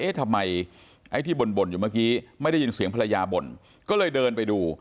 ทำไมไอ้ที่บ่นอยู่เมื่อกี้ไม่ได้ยินเสียงภรรยาบ่นก็เลยเดินไปดู